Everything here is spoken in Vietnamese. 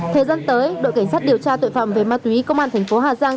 thời gian tới đội cảnh sát điều tra tội phạm về ma túy công an thành phố hà giang